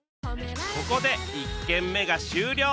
ここで１軒目が終了